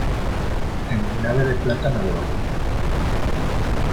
En mi nave de plata navego yo.